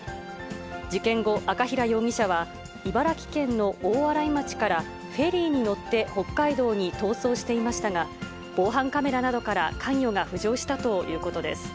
事件後、赤平容疑者は茨城県の大洗町からフェリーに乗って北海道に逃走していましたが、防犯カメラなどから関与が浮上したということです。